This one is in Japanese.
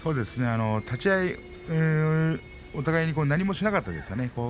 立ち合い、お互いに何もしなかったですね。